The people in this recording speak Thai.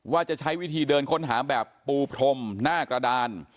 ว่าจะใช้วิธีเดินค้นหาแบบปูพรมหน้ากระดาน